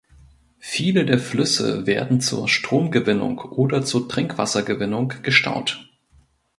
Viele der Flüsse werden zur Stromgewinnung oder zur Trinkwassergewinnung gestaut.